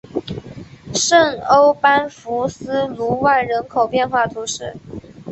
圣欧班福斯卢万人口变化图示